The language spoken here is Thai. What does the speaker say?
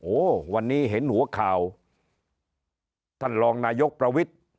โอ้โหวันนี้เห็นหัวข่าวท่านรองนายกประวิทธิ์